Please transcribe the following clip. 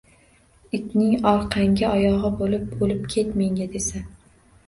Itning orqangi oyog‘i bo‘lib o‘lib ket, menga desa!…